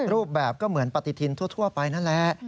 รูปแบบก็เหมือนปฏิทินทั่วไปนั่นแหละ